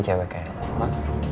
tapi asalalget di youtube